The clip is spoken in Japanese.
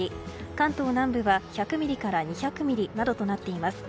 関東南部は１００ミリから２００ミリなどとなっています。